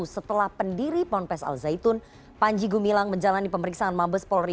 setelah pendiri ponpes al zaitun panji gumilang menjalani pemeriksaan mabes polri